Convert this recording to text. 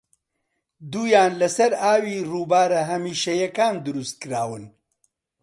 دوویان لەسەر ئاوی رووبارە هەمیشەییەکان دروستکراون